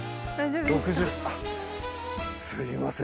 すいません